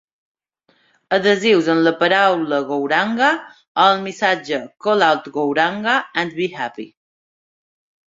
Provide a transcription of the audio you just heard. Adhesius amb la paraula 'Gouranga' o el missatge "Call out Gouranga and be happy!"